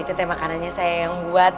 itu teh makanannya saya yang buat